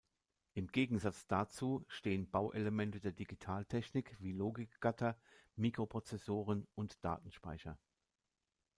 Im Gegensatz dazu stehen Bauelemente der Digitaltechnik, wie Logikgatter, Mikroprozessoren und Datenspeicher.